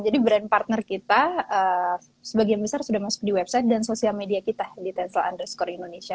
jadi brand partner kita sebagian besar sudah masuk di website dan sosial media kita di tensel underscore indonesia